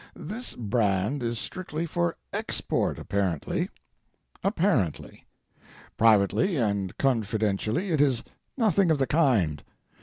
This brand is strictly for Export — apparently. Apparently. Privately and confidentially, it is nothing of the kind.